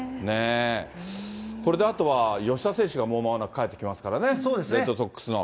これであとは、よしだ選手がもうまもなく帰ってきますからね、レッドソックスの。